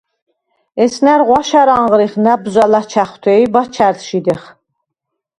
ესნა̈რ ღვაშა̈რ ანღრიხ ნა̈ბზვა̈ ლაჩა̈ხვთე ი ბაჩა̈რს შიდეხ.